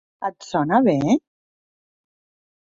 Et sona bé?